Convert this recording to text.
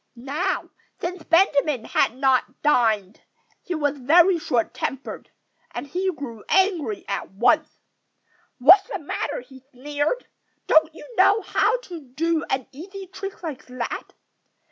Now, since Benjamin had not yet dined, he was very short tempered. And he grew angry at once. "What's the matter?" he sneered. "Don't you know how to do an easy trick like that?